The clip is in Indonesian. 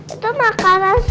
itu makanan sukar aku